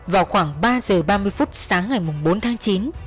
vào khoảng ba giờ ba mươi phút sáng ngày bốn tháng chín